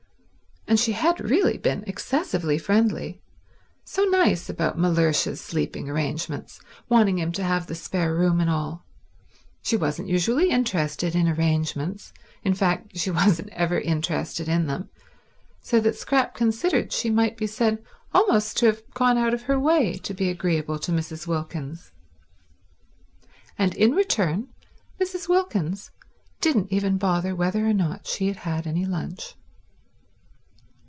And she had really been excessively friendly—so nice about Mellersh's sleeping arrangements, wanting him to have the spare room and all. She wasn't usually interested in arrangements, in fact she wasn't ever interested in them; so that Scrap considered she might be said almost to have gone out of her way to be agreeable to Mrs. Wilkins. And, in return, Mrs. Wilkins didn't even bother whether or not she had any lunch.